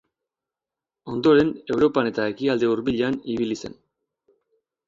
Ondoren, Europan eta Ekialde Hurbilean ibili zen.